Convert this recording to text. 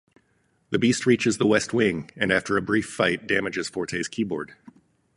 The Beast reaches the West Wing and after a brief fight, damages Forte's keyboard.